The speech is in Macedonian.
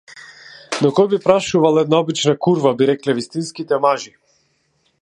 Но кој би прашувал една обична курва, би рекле вистинските мажи.